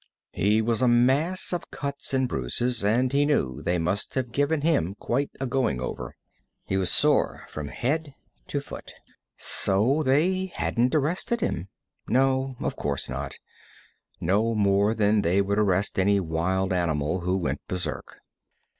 He was a mass of cuts and bruises, and he knew they must have given him quite a going over. He was sore from head to foot. So they hadn't arrested him. No, of course not; no more than they would arrest any wild animal who went berserk.